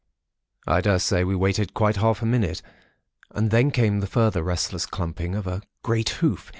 "I daresay we waited quite half a minute, and then came the further restless clumping of a great hoof.